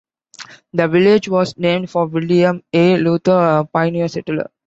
The village was named for William A. Luther, a pioneer settler.